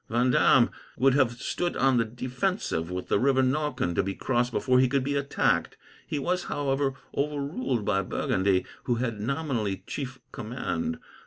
Vendome would have stood on the defensive, with the river Norken to be crossed before he could be attacked. He was, however, overruled by Burgundy, who had nominally chief command.